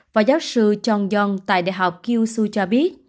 phó giáo sư chong yong tại đại học kyushu cho biết